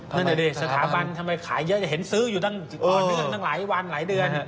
ห่างเหเลยสถาบันทำไมขายเยอะจะเห็นซื้ออยู่ตั้งหลายวันหลายเดือน